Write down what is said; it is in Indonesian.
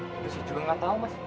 mas mbah juga gak tau mas